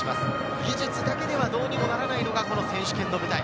技術だけではどうにもならないのが選手権の舞台。